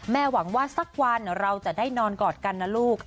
หวังว่าสักวันเราจะได้นอนกอดกันนะลูก